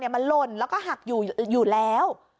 มันหล่นแล้วก็หักอยู่แล้ว